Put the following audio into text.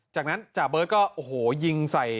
จากนั้นจ่าเบิร์ตก็ยิงใส่